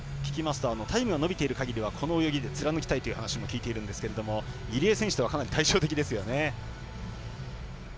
聞きますとタイムが伸びているかぎりはこの泳ぎで貫きたいという話も聞いているんですけれども入江選手とはかなり対照的ですよね。